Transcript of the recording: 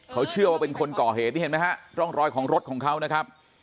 เขาเชื่อว่าเป็นคนก่อเหตุนี่เห็นไหมฮะร่องรอยของรถของเขานะครับ